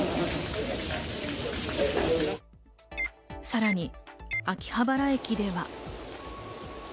さらに秋葉原駅では。